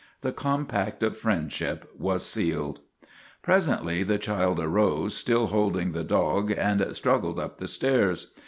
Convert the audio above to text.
The compact of friendship was sealed. Presently the child arose, still holding the dog, and struggled up the stairs.